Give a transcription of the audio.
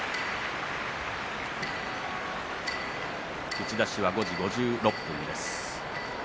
打ち出しは５時５６分です。